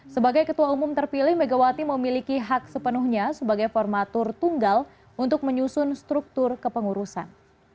sebagai ketua umum terpilih megawati memiliki hak sepenuhnya sebagai formatur tunggal untuk menyusun struktur kepengurusan